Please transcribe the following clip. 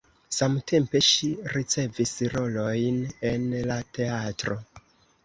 Samtempe ŝi ricevis rolojn en la teatro.